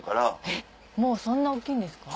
えっもうそんな大っきいんですか。